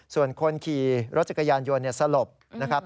ส่วนคนขี่รถจักรยานยนต์สลบ